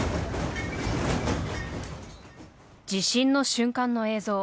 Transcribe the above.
地震の瞬間の映像。